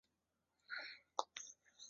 留尼旺椋鸟是一种已灭绝的椋鸟。